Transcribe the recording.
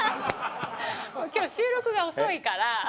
今日収録が遅いから。